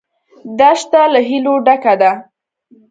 دښته له هیلو ډکه ده.